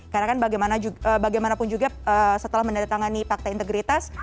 karena kan bagaimanapun juga setelah mendatangani fakta integritas